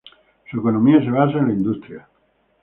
Su economía se basa en la industria.